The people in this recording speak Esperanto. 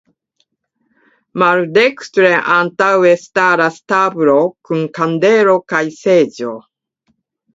Maldekstre antaŭe staras tablo kun kandelo kaj seĝo.